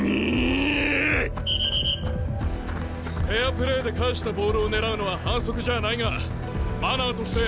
フェアプレーで返したボールを狙うのは反則じゃないがマナーとして。